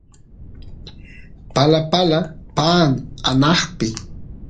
palapala paan anaqpi